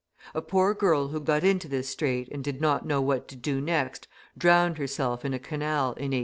A poor girl who got into this strait and did not know what to do next, drowned herself in a canal in 1844.